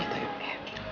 ayo kita berdua